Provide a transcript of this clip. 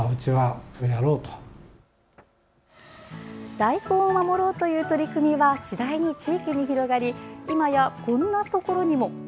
大根を守ろうという取り組みは次第に地域に広がりいまやこんなところにも。